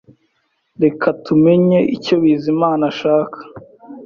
Reka tumenye icyo Bizimana ashaka.